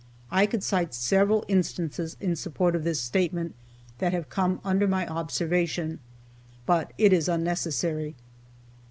I could cite several instances in support of this statement that have come under my observation, but it is unnecessary.